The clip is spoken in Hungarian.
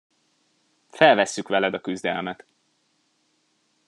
Felvesszük veled a küzdelmet!